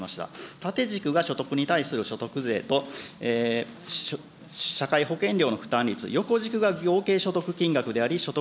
縦軸が所得に対する所得税と、社会保険料の負担率、横軸が合計所得金額であり所得